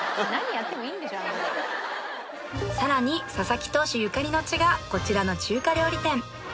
さらに佐々木投手ゆかりの地がこちらの中華料理店